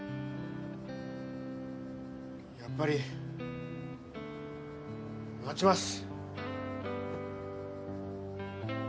やっぱり待ちます